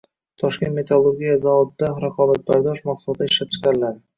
Toshkent metallurgiya zavodida raqobatbardosh mahsulotlar ishlab chiqariladi